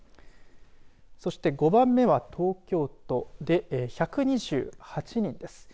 そして、５番目は東京都で１２８人です。